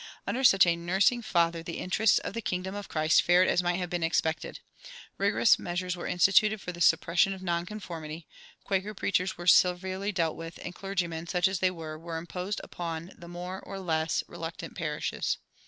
Under such a nursing father the interests of the kingdom of Christ fared as might have been expected. Rigorous measures were instituted for the suppression of nonconformity, Quaker preachers were severely dealt with, and clergymen, such as they were, were imposed upon the more or less reluctant parishes.